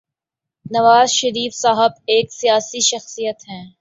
نواز شریف صاحب ایک سیاسی شخصیت ہیں۔